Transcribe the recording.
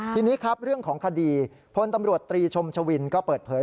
ทีนี้ครับเรื่องของคดีพลตำรวจตรีชมชวินก็เปิดเผย